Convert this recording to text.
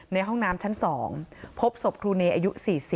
ในห้องน้ำชั้น๒พบศพครูเนยอายุ๔๐